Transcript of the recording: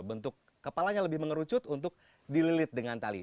bentuk kepalanya lebih mengerucut untuk dililit dengan tali